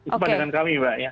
itu pandangan kami pak